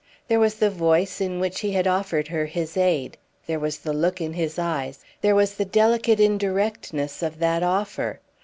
There was the voice in which he had offered her his aid; there was the look in his eyes; there was the delicate indirectness of that offer.